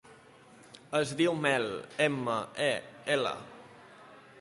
Es diu Mel: ema, e, ela.